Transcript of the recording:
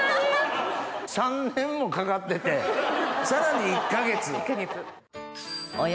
３年もかかっててさらに１か月。